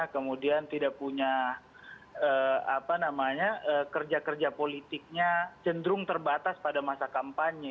kemudian tidak punya kerja kerja politiknya cenderung terbatas pada masa kampanye